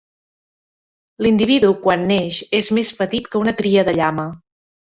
L'individu, quan neix, és més petit que una cria de llama.